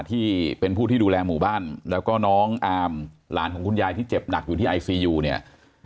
ที่เป็นผู้ที่ดูแลหมู่บ้านแล้วก็น้องอามหลานของคุณยายที่เจ็บหนักอยู่ที่ไอซียูเนี่ย